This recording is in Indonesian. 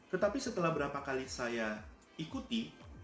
tetapi setelah berapa kali saya ikuti